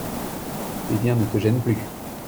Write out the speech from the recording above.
Eh bien, ne te gêne plus.